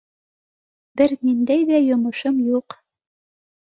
Бер ниндәй ҙә йомошом юҡ.